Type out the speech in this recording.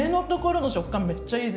めっちゃいいですね。